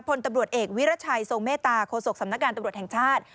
พรตบรวจเอกวิรัชัยส่วงเมตตาโครโศกสำนักงานตบรวจแห่งชาติ